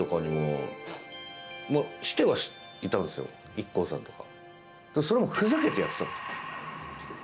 ＩＫＫＯさんとか。